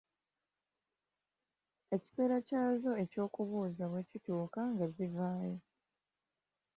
Ekiseera kyazo eky'okubuuza bwe kituuka nga zivaayo.